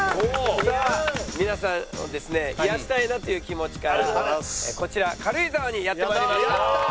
さあ皆さんをですね癒やしたいなという気持ちからこちら軽井沢にやって参りました。